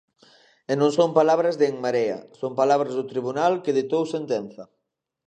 E non son palabras de En Marea, son palabras do tribunal que ditou sentenza.